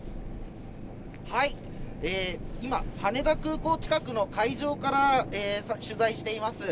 今、羽田空港近くの海上から取材しています。